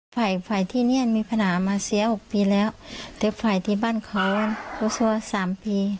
ฝ่ายที่นี่มีภานะมาเสีย๖ปีแล้วแต่ฝ่ายที่บ้านเขารู้สึกว่า๓ปี